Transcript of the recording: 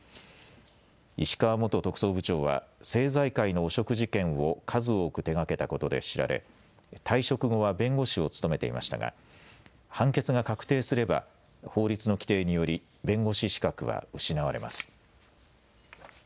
石川元特捜部長は政財界の汚職事件を数多く手がけたことで知られ、退職後は弁護士を務めていましたが判決が確定すれば法律の規定により弁護士資格は失われます。＃